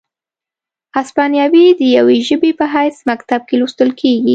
هسپانیوي د یوې ژبې په حیث مکتب کې لوستل کیږي،